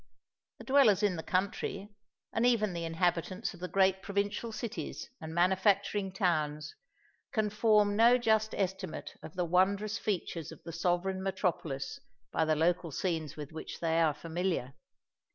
The dwellers in the country, and even the inhabitants of the great provincial cities and manufacturing towns, can form no just estimate of the wondrous features of the sovereign metropolis by the local scenes with which they are familiar.